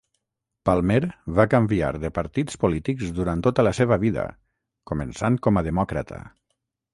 Palmer va canviar de partits polítics durant tota la seva vida, començant com a demòcrata.